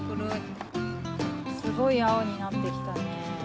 すごいあおになってきたね。